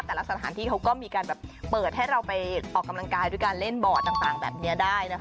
สถานที่เขาก็มีการแบบเปิดให้เราไปออกกำลังกายด้วยการเล่นบอร์ดต่างแบบนี้ได้นะคะ